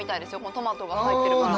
トマトが入ってるから。